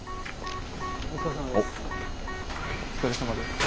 お疲れさまです。